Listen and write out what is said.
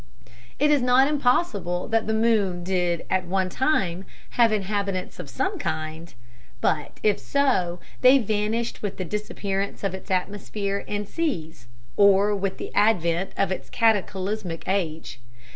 It is not impossible that the moon did at one time have inhabitants of some kind. But, if so, they vanished with the disappearance of its atmosphere and seas, or with the advent of its cataclysmic age.